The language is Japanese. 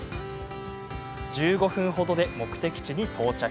１５分程で目的地に到着。